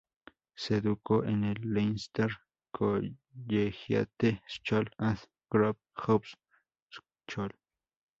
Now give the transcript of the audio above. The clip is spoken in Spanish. Se educó en el Leicester Collegiate School and Grove House School.